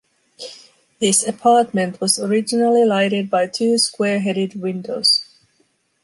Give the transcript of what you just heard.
This apartment was originally lighted by two square-headed windows.